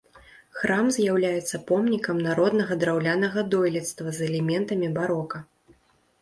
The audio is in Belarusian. Храм з'яўляецца помнікам народнага драўлянага дойлідства з элементамі барока.